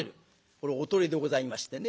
これおとりでございましてね。